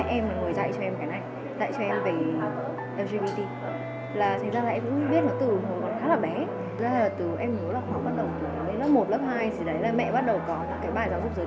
em biết cái này từ lâu rồi chứ chính mẹ em là người dạy cho em cái này dạy cho em về lgbt